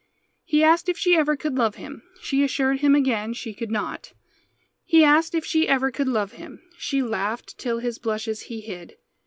He asked if she ever could love him. She assured him again she could not. He asked if she ever could love him. She laughed till his blushes he hid.